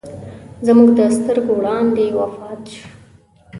زموږ د سترګو وړاندې وفات سو.